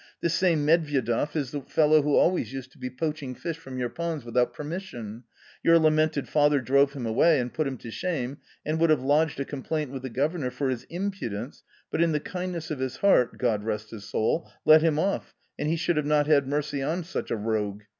This same Medvyedev is the fellow who always used to be poaching fish from your ponds without permission ; your lamented father drove him away and put him to shame, and would have lodged a complaint with the governor for his impudence, but in the kindness of his heart — God rest his soul !— let him off, and he should not have had mercy on such a rogue.